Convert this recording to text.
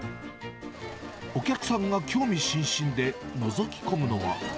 お客さんが興味津々でのぞき込むのは。